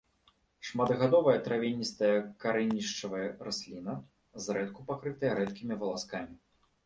Шматгадовая травяністая карэнішчавая расліна, зрэдку пакрытая рэдкімі валаскамі.